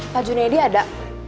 pak junedi ada